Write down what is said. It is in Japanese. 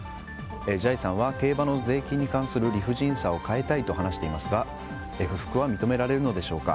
じゃいさんは競馬の税金に関する理不尽さを変えたいと話していますが不服は認められるのでしょうか？